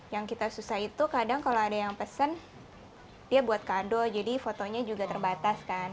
yang kita susah itu kadang kalau ada yang pesen dia buat kado jadi fotonya juga terbatas kan